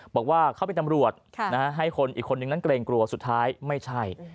บอกว่าเขาเป็นตำรวจให้คนอีกคนนึงนั้นเกรงกลัวสุดท้ายไม่ใช่